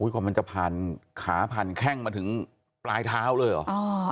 กว่ามันจะผ่านขาผ่านแข้งมาถึงปลายเท้าเลยเหรอ